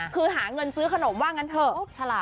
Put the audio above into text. คือหาเงินซื้อขนมว่างั้นเถอะ